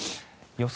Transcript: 予想